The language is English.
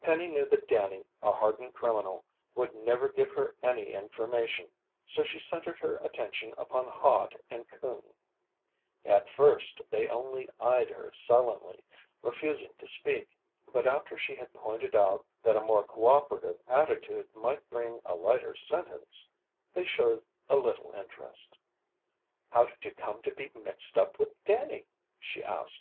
Penny knew that Danny, a hardened criminal, would never give her any information, so she centered her attention upon Hod and Coon. At first, they only eyed her sullenly, refusing to speak. But after she had pointed out that a more cooperative attitude might bring a lighter sentence, they showed a little interest. "How did you come to be mixed up with Danny?" she asked.